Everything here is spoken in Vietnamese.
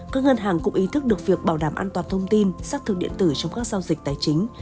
các ngân hàng cũng ý thức được việc bảo đảm an toàn thông tin xác thực điện tử trong các giao dịch tài chính